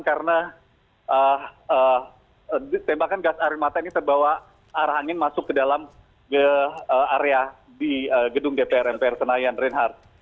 karena tembakan gas air mata ini terbawa arah angin masuk ke dalam area di gedung dpr mpr senayan reinhardt